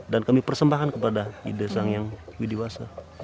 dan kami persembahan kepada ide sang yang widiwasa